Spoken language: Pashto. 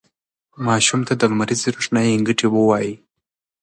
ماشومانو ته د لمریزې روښنايي ګټې ووایئ.